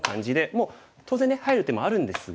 もう当然ね入る手もあるんですが。